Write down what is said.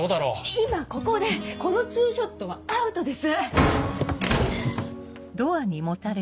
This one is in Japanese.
今ここでこのツーショットはアウトです！